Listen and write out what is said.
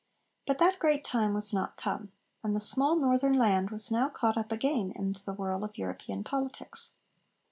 But that great time was not come; and the small northern land was now caught up again into the whirl of European politics.